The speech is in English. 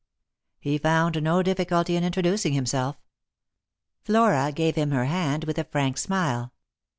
He found no difficulty in introducing himself. Flora gave him her hand with a frank smile.